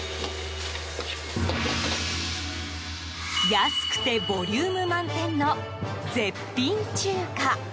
安くてボリューム満点の絶品中華。